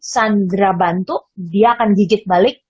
sandra bantu dia akan gigit balik